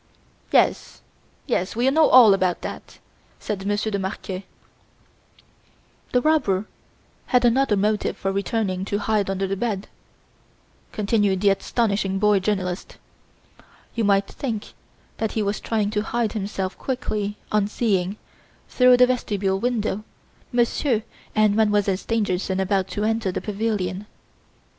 "Yes, yes, we know all about that," said Monsieur de Marquet. "The robber had another motive for returning to hide under the bed," continued the astonishing boy journalist. "You might think that he was trying to hide himself quickly on seeing, through the vestibule window, Monsieur and Mademoiselle Stangerson about to enter the pavilion.